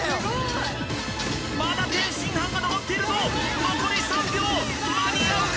まだ天津飯が残っているぞ残り３秒間に合うか？